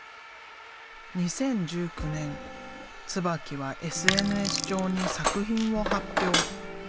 ２０１９年椿はＳＮＳ上に作品を発表。